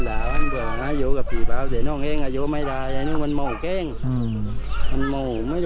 แล้วเมียหรือว่า